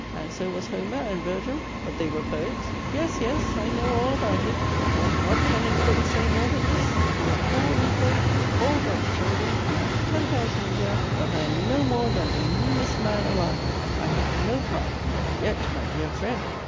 and so was Homer and Virgil but they were poets. Yes, yes! I know all about it! But what can anybody say more than this? We are all equal, all Got's children. I haf ten tousand a year, but I am no more dhan de meanest man alive. I haf no pride; and yet, my dear friend!